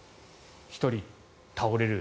１人倒れる。